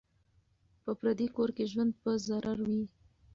په پردي کور کي ژوند په ضرور دی